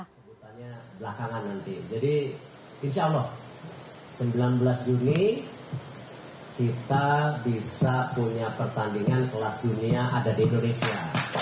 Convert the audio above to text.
sebutannya belakangan nanti jadi insya allah sembilan belas juni kita bisa punya pertandingan kelas dunia ada di indonesia